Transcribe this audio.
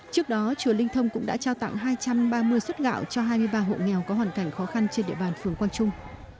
trước đó chùa linh thông cũng đã trao tặng hai trăm ba mươi suất gạo cho hai mươi ba hộ nghèo có hoàn cảnh khó khăn trên địa bàn phường quang trung